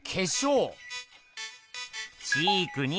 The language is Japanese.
チークに。